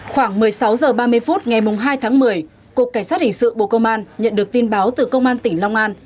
khoảng một mươi sáu h ba mươi phút ngày hai tháng một mươi cục cảnh sát hình sự bộ công an nhận được tin báo từ công an tỉnh long an